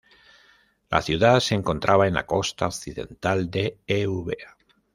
La ciudad se encontraba en la costa occidental de Eubea.